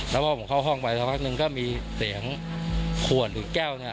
แล้วพอผมเข้าห้องไปเท่านึงก็มีเสียงข่วนหรือแก้ว